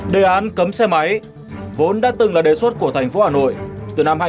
đề án cấm xe máy vốn đã từng là đề xuất của thành phố hà nội từ năm hai nghìn một mươi